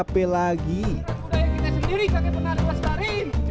kami adalah budaya kita sendiri kami pernah berpastarin